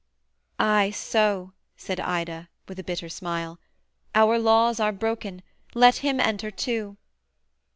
'Ay so,' said Ida with a bitter smile, 'Our laws are broken: let him enter too.'